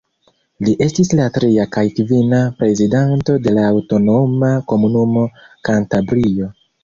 Li estis la tria kaj kvina prezidanto de la aŭtonoma komunumo Kantabrio.